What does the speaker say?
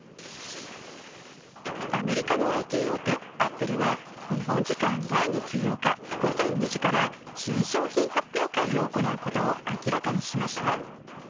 アメリカのＩＴ大手アップルは日本時間来月８日午前２時から新商品発表会を行うことを明らかにしました。